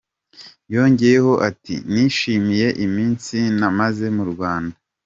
Yongeyeho ati "Nishimiye iminsi namaze mu Rwanda.